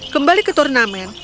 kembali ke turnamen